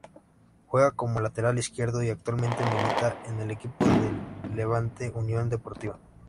Juega como lateral izquierdo y actualmente milita en el Equipo del Levante Unión Deportiva.